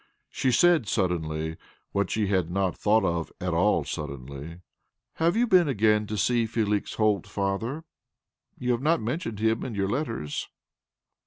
She said suddenly (what she had not thought of at all suddenly) "Have you been again to see Felix Holt, father? You have not mentioned him in your letters."